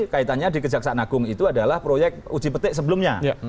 kaitannya di kejaksaan agung itu adalah proyek uji petik sebelumnya